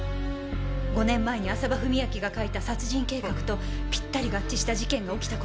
５年前に浅羽史明が書いた殺人計画とピッタリ合致した事件が起きた事を知った。